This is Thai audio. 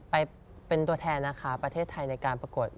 ไปเป็นตัวแทนนะคะประเทศไทยในการประกวด